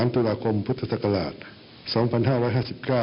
ตุลาคมพุทธศักราช๒๕๕๙